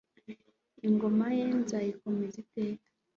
ingoma ye nzayikomeza iteka